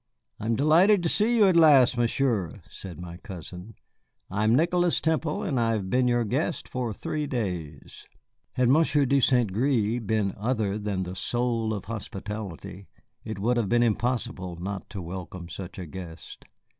"I am delighted to see you at last, Monsieur," said my cousin. "I am Nicholas Temple, and I have been your guest for three days." Had Monsieur de St. Gré been other than the soul of hospitality, it would have been impossible not to welcome such a guest.